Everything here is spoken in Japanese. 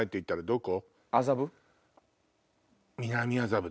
どこ？